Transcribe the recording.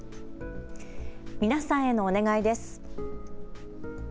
皆さんへのお願いです。